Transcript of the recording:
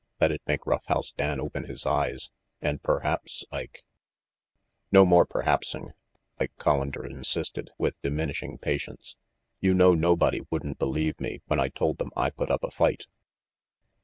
That'd make Rough House Dan open his eyes, and perhaps, Ike " "No more perhapsing," Ike Collander insisted, with diminishing patience. "You know nobody wouldn't believe me when I told them I put up a fight."